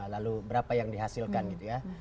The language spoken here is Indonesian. lalu berapa yang dihasilkan gitu ya